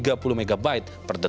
namun dengan li fi ini berbeda